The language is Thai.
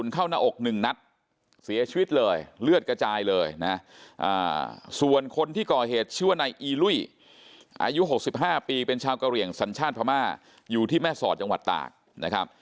คนที่ก่อเหตุชื่อว่านายอีลุยอายุ๖๕ปีเป็นชาวกะเหลี่ยงสัญชาติพม่าอยู่ที่แม่สอดจังหวัดตากนะครับ